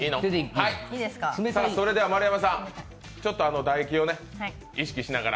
丸山さん、ちょっと唾液を意識しながら。